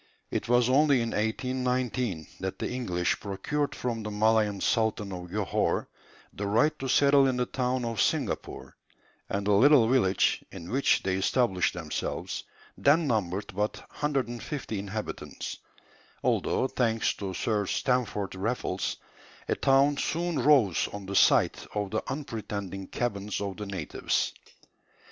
It was only in 1819 that the English procured from the Malayan sultan of Johore the right to settle in the town of Singapore; and the little village in which they established themselves then numbered but 150 inhabitants, although, thanks to Sir Stamford Raffles, a town soon rose on the site of the unpretending cabins of the natives.